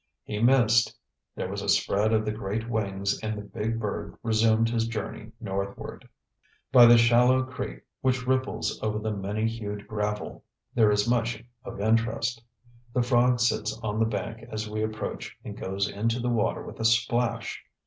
He missed; there was a spread of the great wings and the big bird resumed his journey northward. By the shallow creek which ripples over the many hued gravel there is much of interest. The frog sits on the bank as we approach and goes into the water with a splash.